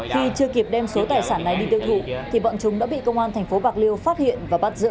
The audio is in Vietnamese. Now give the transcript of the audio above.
khi chưa kịp đem số tài sản này đi tiêu thụ thì bọn chúng đã bị công an thành phố bạc liêu phát hiện và bắt giữ